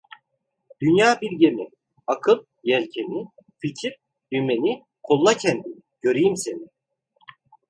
Dünya bir gemi, akıl yelkeni, fikir dümeni, kolla kendini, göreyim seni.